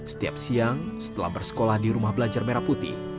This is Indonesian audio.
setiap siang setelah bersekolah di rumah belajar merah putih